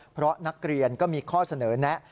เพราะนักเรียนก็มีข้อเสนอแนะ